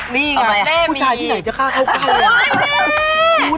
นี่ไงผู้ชายที่ไหนจะฆ่าเข้ากันเลยนะไม่มี